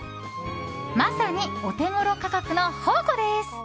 まさにオテゴロ価格の宝庫です。